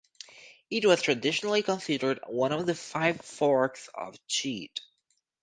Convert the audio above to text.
It was traditionally considered one of the five Forks of Cheat.